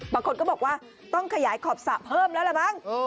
บางคนก็บอกว่าต้องขยายขอบสระเพิ่มแล้วล่ะมั้ง